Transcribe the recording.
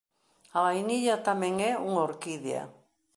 A vainilla tamén é unha orquídea.